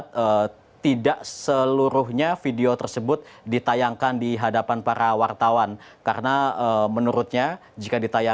kemudian ayah dari remaja tersebut mendokumentasikan mulai dari kedatangan sampai dengan diikut juga dibawa